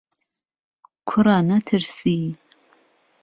کوڕه نهترسی